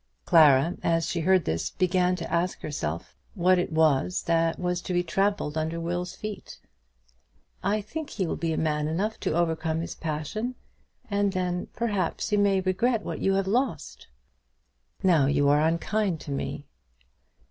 Clara, as she heard this, began to ask herself what it was that was to be trampled under Will's feet. "I think he will be man enough to overcome his passion; and then, perhaps, you may regret what you have lost." "Now you are unkind to me."